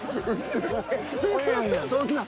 そんなん。